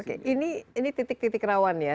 oke ini titik titik rawan ya